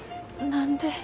何で。